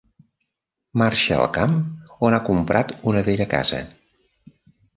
Marxa al camp on ha comprat una vella casa.